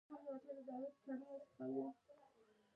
زما کتاب چا قتل کړی